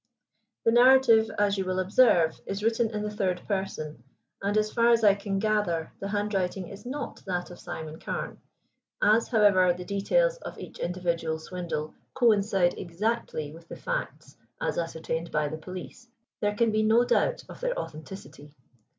The narrative, as you will observe, is written in the third person, and, as far as I can gather, the handwriting is not that of Simon Carne. As, however, the details of each individual swindle coincide exactly with the facts as ascertained by the police, there can be no doubt of their authenticity.